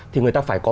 thì người ta phải có